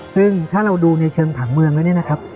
ซึ่งถ้าเราดูในเชิงผังเมืองแล้วเนี่ยนะครับ